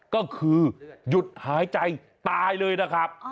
ก็คือหยุดหายใจตายเลยนะครับ